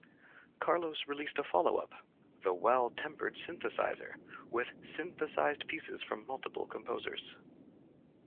Carlos released a follow-up, "The Well-Tempered Synthesizer", with synthesized pieces from multiple composers.